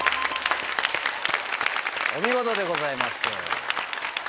お見事でございます。